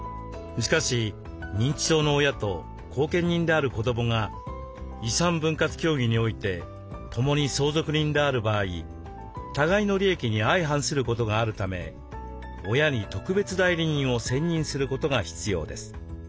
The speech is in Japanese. しかし認知症の親と後見人である子どもが遺産分割協議において共に相続人である場合互いの利益に相反することがあるため親に特別代理人を選任することが必要です。